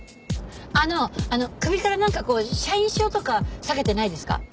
あの首からなんかこう社員証とか下げてないですか？